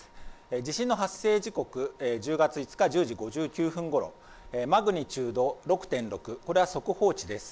地震の発生時刻、こちら１０月５日１０時５９分ごろ、マグニチュード６．６これは速報値です。